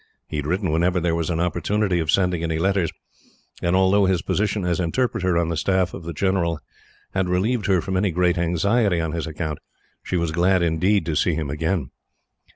He had written whenever there was an opportunity of sending any letters; and although his position as interpreter on the staff of the general had relieved her from any great anxiety on his account, she was glad, indeed, to see him again.